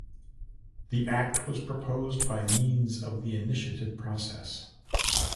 The Act was proposed by means of the initiative process.